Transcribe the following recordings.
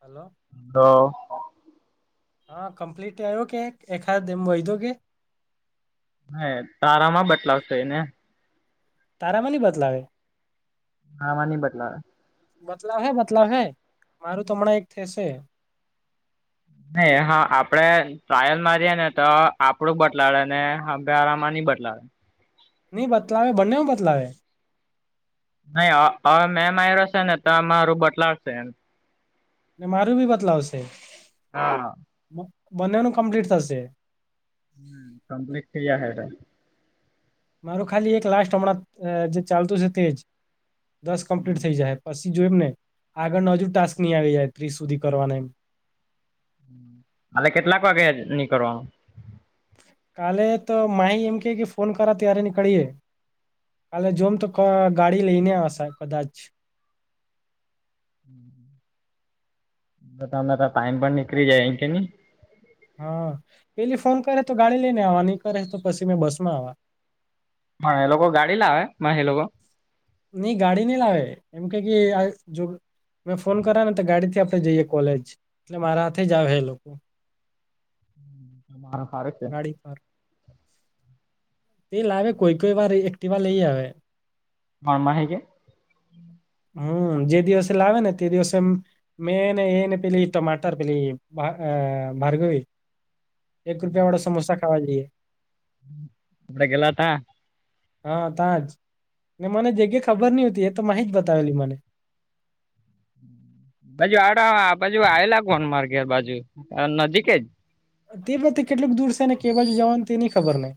Hello. Hello. હા complete આવ્યો કે? એખાદ એમ વયધો કે? હ એ, તારામાં બતલાવશે ને? તારામાં ની બદલાવે? મારામાં ની બતલાવે. બતલાવહે, બતલાવહે. મારું તો હમણાં એક થશે. નહીં, હા આપડે ટ્રાયલ માં રીએને, તો આપડું બતલાડે, ને હાંભેવાળામાં ની બતલાડે. નીં, બતલાવે. બંનેઉ માં બતલાવે. નહી, અ અવે મેં માયરો શે ને તો અમારું બતલાવશે એમ. મારું બી બદલાવ છે હા બંનેનું કમ્પ્લીટ થશે હમ કમ્પ્લીટ થઈ જાહે અઢાર મારું ખાલી એક લાસ્ટ હમણાં જે ચાલતું છે તેજ દસ કમ્પ્લીટ થઈ જાહે પછી જોય એમ ને આગળનું હજુ ટાસ્ક નહી આવી રહ્યા ત્રીસ સુધી કરવાના એમ હમ [inaudible] હલે કેટલાક વાગે નીકળવાનું કાલે તો માહી એમકે કે ફોન કરા તય્યારે નીકળીએ કાલે જોમ તો ગાડી લઈને આવશે કદાચ હમ [inaudible] તો તમે તો ટાઈમ પણ નીકળી જાય એમ કે ન હા પેલી ફોન કરે તો ગાડી લઈને આવવા નહી કરે તો પછી મે બસમાં આવવા પણ એ લોકો ગાડી લાવેે માહી લોકો નહી ગાડી નહી લાવે એમ કે કે આ જો મેં ફોન કરાને તો ગાડીથી આપે જઈએ કોલેજ એટલે મારા હાથે જ આવે એ લોકો હા હારે જ તે ગાડી પર તે લાવે કોઈ કોઈ વાર એક્ટિવા લઈ આવે કોણ માહી કે હમ જે દિવસે લાવે ને તે દિવસે એમ મેને એને પેલી ટમાટર પેલી આ પેલી અ ભારગવી એક રૂપિયા વાળા સમોસા ખાવા જઈએ. આપડે ગેલા તા. હા તાંજ ને મને જગ્યા ખબર ની તી એ તો માહે જ બતાવેલી મને. બાજુ આવે આબાજુ આવેલા મારે ઘેર બાજુ નજીક જ. તે [unintelligible] કેટલુક દૂર છે ને કે બાજુ જવાનું તેની ખબર ને.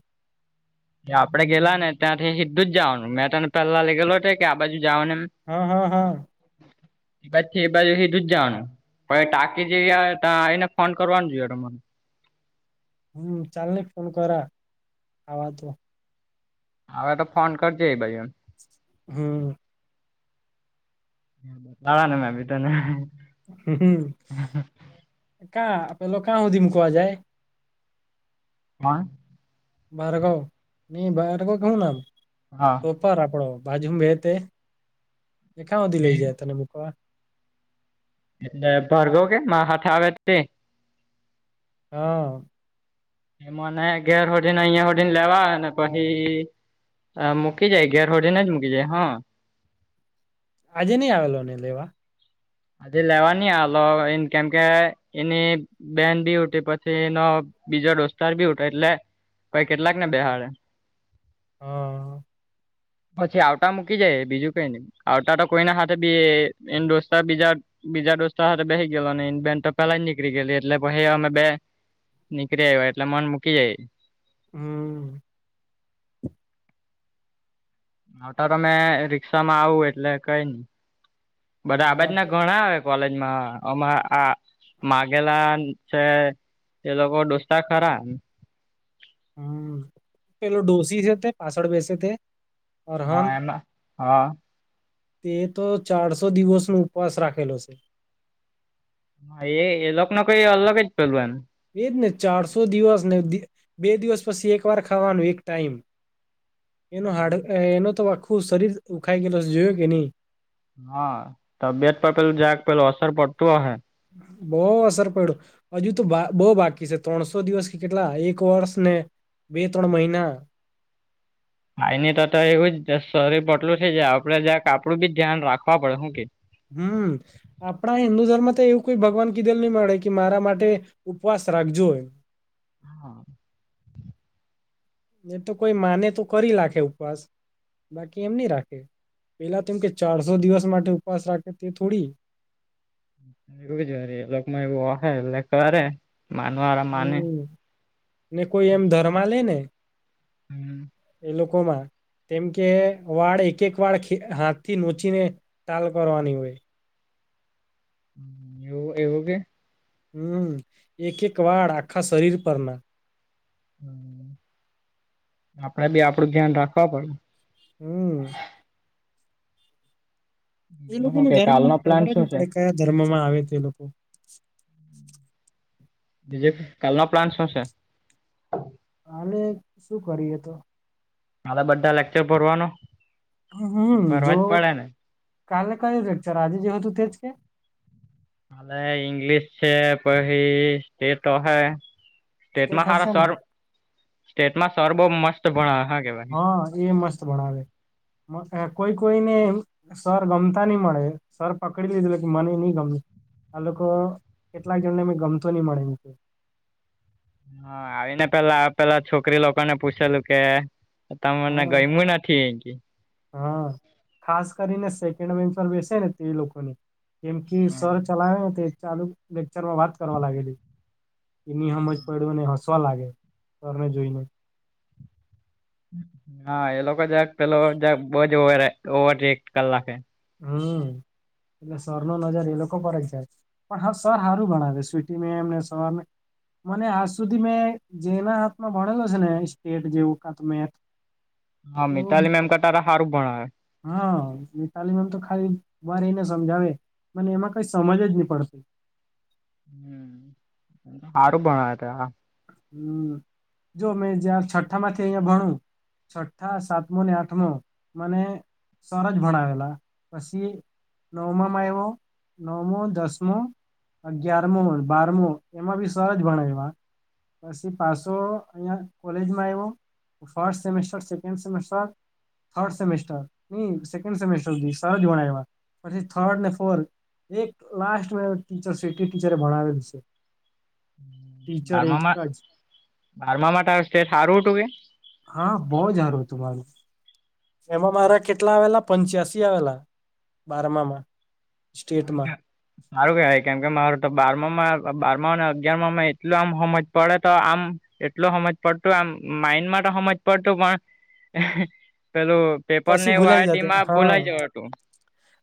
આપણે ગેલા ને ત્યાંથી સીધું જ જવાનું મેં તને પેલા લેગેલો તે કે આ બાજુ જાવાનું એમ. હા હા હા. [inaudible] એ બાજથી એ બાજુ સીધું જવાનું પણ ટાકી જેવી આવે ત્યા આવીને ફોન કરવાનું જોયે તમારે. હમ ચાલ નહી ફોન કરા આવા તો. આવે તો ફોન કરીજે એબજું એમ. હમ. આવાને મે બી તને હમ કા પેલો કા સુધી મુકવા જાય. [unintelligible] ભાર્ગવ એ ભાર્ગવ કે હું નામ હા. ઉપર આપડો બાજુમાં બેહે તે એ કા હુધી લઈ જાય તને મૂકવા. એટલે ભાર્ગવ કે મા હાથે આવે તે. હા. એ મને ઘેર હોધીને અહિયાં હોધી ને લેવા આવે ને પછી હ મૂકી જાય ઘેર હોધીને જ મૂકી જાય હા. આજે નઈ આવેલો ને લેવા. આજે લેવા ની આવેલો એ કેમકે એની બેન બી હુતી પછી એનો બીજા દોસ્તાર બી હુતો એટલે પહી કેટલાક ને બેહાડે. હમ્મ. પછી આવતા મૂકી જાય બીજું કઈ નહી આવતા તો કોઈના હાથે બી એન દોસ્ત તાર બીજા બીજા દોસ્તાર હાથે બેસી ગેલો ને બેન તો પેલા નીકળી ગેલી એટલે પહી અમે બે નીકરી આવ્યા એટલે મન મૂકી જાય. હમ્મ. આવતા તો મેં રિક્ષામાં આવું એટલે કઈ નઈ બધા આ હા બાજના પે- ઘણા આવે કોલેજમાં અમાં આ માગેલા છે તે લોકો દોસ્તાર ખરા. હમ્મ, પેલો ડોસી છે તે પાછળ બેસે તે. અરહાન હા એમાં હા. તે તો ચારસો દિવસનો ઉપવાસ રાખેલો છે. હા એ લોકનો કઈ અલગ જ પેલું એમ. એજ ને ચારસો દિવસને બે દિવસ પછી એકવાર ખાવાનું એક ટાઈમ. એનો હાડ એનો તો આખું શરીર હુખાય ગયેલુ છે જોયો કે નહી? હા. તબીયત પર પેલું જરાક પેલું અસર પડતું અહે. બોવ અસર પડ્યો. હજુ તો બા બોવ બાકી છે ત્રણસો દિવસ કે કેટલા એક વર્ષ ને બે ત્રણ મહિના ખાયની તો તો એવું જ શરીર પટલું થઈ જાય આપડે જરાક આપડું બી ધ્યાન રાખવા પડે હું કે? હમ્મ. આપણા હિન્દુ ધર્મ તો એવું કોઈ ભગવાન કીધેલ નહી મળે કે મારા માટે ઉપવાસ રાખજો. હા. એમ તો કોઈ માને તો કરી લાખે ઉપવાસ. બાકી એમ નહી રાખે પેલા તો એમ કે ચારસો દિવસ માટે ઉપવાસ રાખે તે થોડી એવું જ વરી એ લોકમાં એવું હોએ એટલે કરે માનવાળા માને હમ્મ ને કોઈ એમ ધરમા લે ને હમ્મ, એ લોકોમાં તેમ કે વાળ એક એક વાળ ખે હાથથી નોચીને ટાલ કરવાની હોય. હમ્મ. એવું એવું કે હમ્મ, એક એક વાળ આખા શરીર પરના હમ્મ, આપડે બી આપડું ધ્યાન રાખવા પડ્યું. હમ્મ. એ હું લોકોનો કે કાલનો ધર્મમાં પ્લાન ખબર જ શું નહી છે પડે કયા ધર્મમાં આવે તે લોકો બીજું કાલનો પ્લાન શું છે? કાલે શું કરીએ તો? કાલે બધા લેક્ચર ભરવાનો હમ્મ જો ભરવા જ પડે ને કાલે કયો લેક્ચર આજે જે હતું તે જ કે? કાલે ઈંગ્લિશ છે પહી સ્ટેટ હોહે સ્ટેટ સ્ટેટમાં હશે હારા ને સર સ્ટેટમાં સર બોવ મસ્ત ભણાવે હા. કેવાય હમ્મ એ મસ્ત ભણાવે કોઈ કોઈને સર ગમતાની મળે સર પકડી લીધેલું કે મનેની ગમે આ લોકો કેટલાક જનને મે ગમતો નહી મળે એમ કે હા આવીને પેલા પેલા છોકરી લોકો ને પૂછેલું કે, તમને હા ગયમું નથી એમ કે. હા ખાસ કરીને સેકન્ડ બેન્ચ પર બેસે ને તે લોકોની. કેમ કે સર ચલાવે તે ચાલુ લેક્ચરમાં વાત કરવા લાગેલી. એની હમજ પડ્યો ને હસવા લાગેે સરને જોઈને. હા એ લોકો જ પેલો બહુ જોવે રે ઓવર ટેક કલાકે. હમ એટલે સરનો નજર એ લોકો પર જ જાય. પણ હા સર હારું ભણાવે. સ્વીટી મેમને સર ને મને આજ સુધી મેં જેના હાથમાં ભણેલો છે ને સ્ટેટ જેવું કાતો મેક્સ હા મિતાલી મેમ કરતા તો હારુ ભણાવે. હા મિતાલી મેમ તો ખાલી ઊભા રઇને સમજાવે. પણ એમાં કઈ સમજ જ નહી પડતી. હમ એમ તા હારુ ભણાવે તોય આ. હમ જો મેં જ્યાં છઠ્ઠામાંથી અહંયા ભણું. છઠ્ઠા, સાતમો ને આઠમો મને સર જ ભણાવેલા. પસી નવમામાં આયવો નવમો ન દસમો. અગિયારમો, બારમો એમાં બી સર જ ભણાયવા. પછી પાસો અહીયા કોલેજમાં આવ્યો first semester, second semester. Third semester ની સેકન્ડ સેમેસ્ટર સુધી સર જ ભણાયા. પછી થર્ડ ને ફોર્થ એક લાસ્ટ ટીચર સે તે ટીચરે ભણાવેલું સે. બારમામાં જ બારમામાં તારું સ્ટેટ સારું હતું કે? હા બોવ જ હારુ હતું મારું. એમાં મારા કેટલા આવેલા પંચ્યાસી આવેલા બારમામાં. સ્ટેટમાં [inaudible] હારુ કેવાય. કેમ કે મારું તો બારમામાં બારમા અને અગિયારમાં માં એટલું આમ હમજ પડે તો આમ એટલો હમજ પડતું આમ માઈન્ડમાં તો હમજ પડતું પણ પેલું પેપર ને પછી એવું ભૂલાઈ આયે જતો તેમાં હા ભુલાય જવાતું.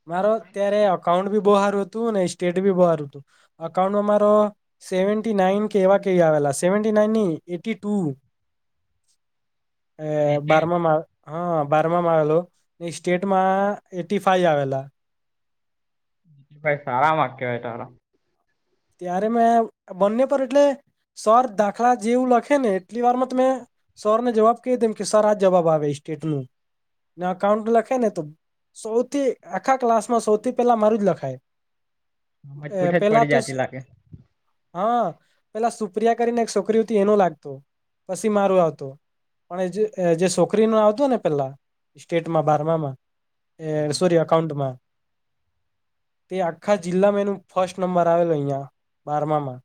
મારો ત્યારે અકાઉન્ટ બી બવ હારું હતું ને સ્ટેટ બી બવ હારું હતું. અકાઉન્ટમાં મારો સેવન્ટી નાઈન કે એવા કાઈ આવેલા સેવન્ટી નાઈન ની એટી ટુ. [inaudible] એ બારમામાં. હા બાર મામા આવેલો. ને સ્ટેટમાં એટીફાઈ આવેલા. ભાઈ સારા માકૅસ કેવાય તારા. ત્યારે મેં બંને પર એટલે સર દાખલા જેવું લખે ને એટલી વારમાં તો મે સરને જવાબ કે દેમ કે સર આ જવાબ આવે સ્ટેટનું. ને અકાઉન્ટ લખેને તો સૌથી આખા ક્લાસમાં સૌથી પહેલા મારું જ લખાય. સમજ પૂઠે જ પહેલા પડી તો જતી શ લાગે હા, પહેલા સુપ્રિયા કરીને એક છોકરી હતી એનું લાગતું. પછી મારું આવતું. પણ એ જે છોકરીનું આવતું ને પહેલા, સ્ટેટમાં બારામામાં. એ સુર્યા એકાઉન્ટમાં. તે આખા જિલ્લામાં એનો ફસ્ટ નંબર આવેલો અહીંયા. બારમામાં.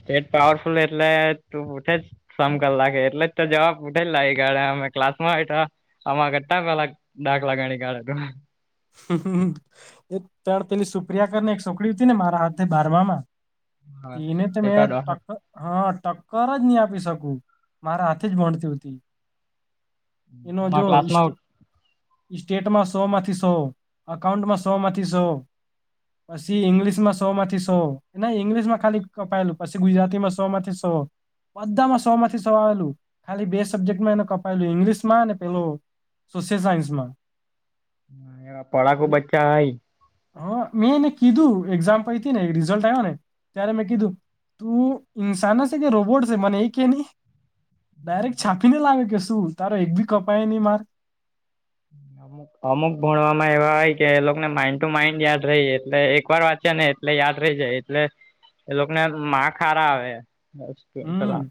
સ્ટેટ પાવરફુલ એટલે તું ઉઠે જ સમ કલાકે એટલે જ તો જવાબ ઉઠે લાઇ ગાળ અમે ક્લાસમાં હોઈ તો આમાં કેતા કલાક ડાખ લાગાણી કાઢે તો તણ તેની સુપ્રિયા કર ને એક છોકડી હતી ને મારા હાથે બારવામાં તીને તો મે એકાદ વખત પક હા, ટક્કર જ નહી આપી શકું. મારા હાથે જ ભણતી હુતી. એનો અમારા જોશ ક્લાસમાં સ્ટેટમાં સોમાંથી સો અકાઉન્ટમાં સો માંથીસો... પછી ઈંગ્લિશમાં સો માંથી સો, ઈંગ્લિશમાં ખાલી કપાયેલું, પછી ગુજરાતીમાં સોમાંથી સો... બધામાં સો માંથી સો આવેલું. ખાલી બે સબ્જેક્ટમાં એને કપાયેલું ઈંગ્લિશમાં ને પેલો સોશિયલ સાયન્સમાં... હ એ પડાકુ બચ્ચા હય. હા, મેં એને કીધું. એક્ઝામ પયતીને રિઝલ્ટ આવ્યુંને, ત્યારે મેં કીધું. તું ઈન્સાન છે કે રોબોટ છે, મને એક કે નહી. ડાયરેક્ટ છાપીને લાવ્યો કે શું? તારો એક બી કપાય નહી માકૅસ. [unintelligible] અમુક ભણવામાં એવા હોય, કે એ લોકોને માઇન્ડ ટુ માઇન્ડ યાદ રહી જાય. એટલે એક વાર વાંચ્યા ને એટલે યાદ રહી જાય. એ એલોકોને માકૅસ હારા આવે. હમ. પેલા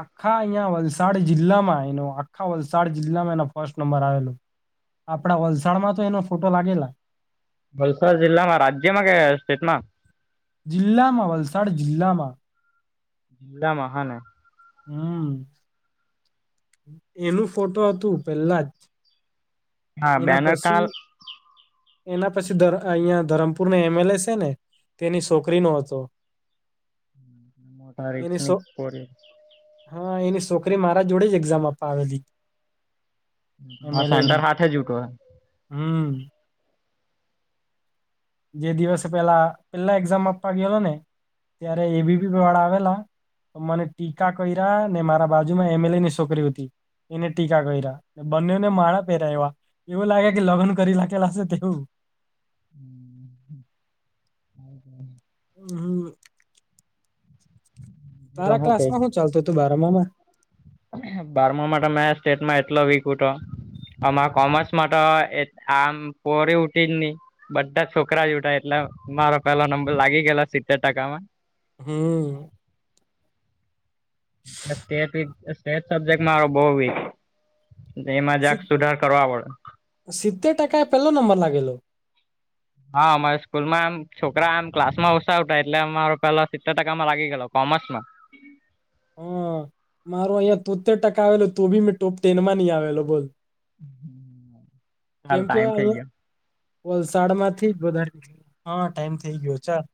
આખા અહીંયા વલસાડ જિલ્લામાં એનો આખા વલસાડ જિલ્લામાં એનો ફર્સ્ટ નંબર આવેલો. આપણા વલસાડમાં તો એનો ફોટો લાગેલો. વલસાડ જિલ્લામાં, રાજ્યમાં કે સ્ટેટમાં? જિલ્લામાં, વલસાડ જિલ્લામાં. જિલ્લામાં હ ને? હમ. એનું ફોટું હતું, પહેલા જ. હા એના બેનર પછી, કાલ એના પછી અહિયાં ધરમપુરના એમએલ એ છે ને? તેની છોકરીનું હતું. મોટા ર એની સો નક પડે. હા, એની છોકરી મારા જોડે જ એક્ઝામ આપવા આવેલી. સેન્ટર એમએલએની હાથે હૂતો હ. હમ. જે દિવસે પેલા પેલા એક્ઝામ આપવા ગયેલો ને, ત્યારે એબીપીવાળ આવેલા. તો મને ટીકા કર્યા ને મારા બાજુમાં એમએલએની છોકરી હતી. એને ટીકા કર્યા, બંનેને માળા પહેરાવ્યા. એવું લાગે કે લગ્ન કરી રાખેલા છે, કે હું? હમ. [inaudible] હમ. હમ. તો તારા હું કે ક્લાસમાં શું ચાલતું હતું બારમામાં? બારમામાં તો મે સ્ટેટમાં એટલો વીક હતો. અમા કોમર્સમાં તો આમ પોરી ઉઠી જ નહી. બધા છોકરા જ ઉઠા એટલે મારો પેલો નંબર લાગી ગયેલા સિત્તેર ટકામાં હમ. સ્ટેટ સબ્જેક્ટ મારો બવ વીક. તેમાં જરાક સુધાર કરવા પડે. સીતેર ટકા એ પેલો નંબર લાગેલો. હા, અમારે સ્કૂલમાં એમ છોકરા આમ ક્લાસમાં ઓછા આવતા એટલે અમારો પેલા સિત્તેર ટકામાં લાગી ગેલો કોમર્સમાં. હ, મારો અહિયાં તોતેર ટકા આવેલો તો બી મેં ટોપ ટેનમાં નહી આવેલો બોલ. ચાલ કેમ કે ટાઈમ થઈ ગયો અહીયા વલસાડ માંથી જ વધારે ઘણો ટાઈમ થઇ ગયો ચાલ.